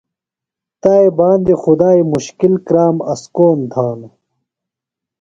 تا باندیۡ خدائی مُشکِل کرام اسکون تھانوۡ۔